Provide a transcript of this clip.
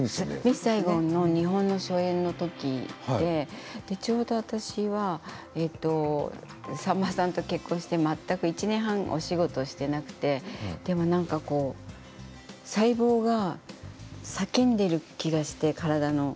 「ミス・サイゴン」の日本の初演の時でちょうど私はさんまさんと結婚して、全く１年半お仕事をしていなくてでも細胞が叫んでいる気がして体の。